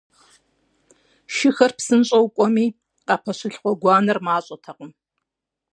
Шыхэр псынщӀэу кӀуэми, къапэщылъ гъуэгуанэр мащӀэтэкъым.